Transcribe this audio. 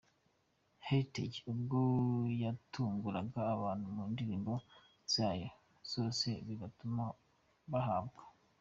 Heritage ubwo yatunguraga abantu mu ndirimbo zayo zose bigatuma bahabwa.